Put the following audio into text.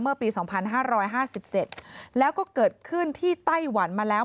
ปี๒๕๕๗แล้วก็เกิดขึ้นที่ไต้หวันมาแล้ว